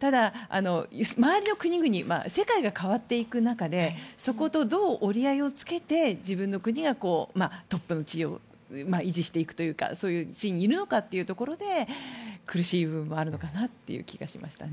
ただ、周りの国々世界が変わっていく中でそこと、どう折り合いをつけて自分の国がトップの地位を維持していくというかその地位にいるのかというところで苦しい部分があるのかという気がしました。